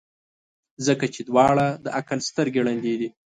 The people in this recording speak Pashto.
ځکه چي د دواړو د عقل سترګي ړندې دي.